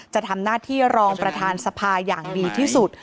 จะทำหน้าที่รองประธานสภาอย่างดีที่สุด